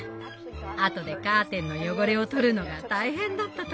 あとでカーテンの汚れをとるのが大変だったとか。